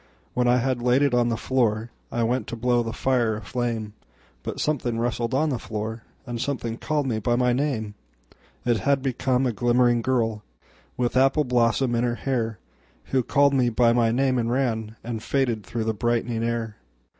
When I had laid it on the floorI went to blow the fire a flame, But something rustled on the floor, And someone called me by my name:It had become a glimmering girlWith apple blossom in her hairWho called me by my name and ranAnd faded through the brightening air.